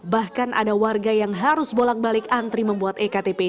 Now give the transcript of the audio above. bahkan ada warga yang harus bolak balik antri membuat ektp